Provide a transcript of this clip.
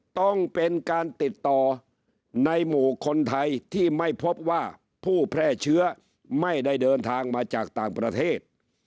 ต้องเป็นการติดต่อในหมู่คนไทยที่ไม่พบว่าผู้แพร่เชื้อไม่ได้เดินทางมาจากต่างประเทศ